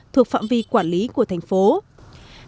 thuộc phạm vi quản lý của tp hcm